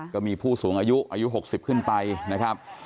ก็มีผู้สูงอายุอายุ๖๐ขึ้นไปนะครับ